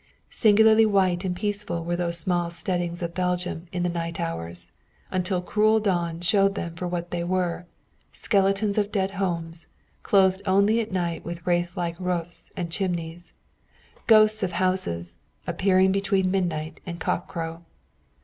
Singularly white and peaceful were those small steadings of Belgium in the night hours until cruel dawn showed them for what they were skeletons of dead homes, clothed only at night with wraithlike roofs and chimneys; ghosts of houses, appearing between midnight and cock crow.